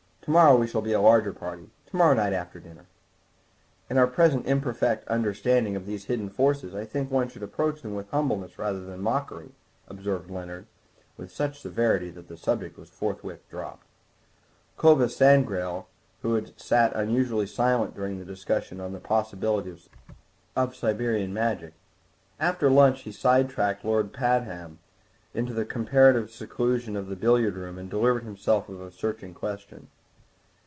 To morrow we shall be a larger party. To morrow night, after dinner—" "In our present imperfect understanding of these hidden forces I think one should approach them with humbleness rather than mockery," observed Leonard, with such severity that the subject was forthwith dropped. Clovis Sangrail had sat unusually silent during the discussion on the possibilities of Siberian Magic; after lunch he side tracked Lord Pabham into the comparative seclusion of the billiard room and delivered himself of a searching question.